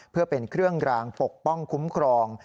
เพื่อเป็นเครื่องรางปกป้องคุ้มครอง